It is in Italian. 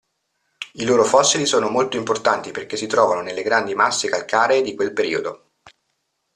I loro fossili sono molto importanti perché si trovano nelle grandi masse calcaree di quel periodo.